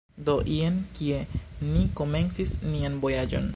Do, jen kie ni komencis nian vojaĝon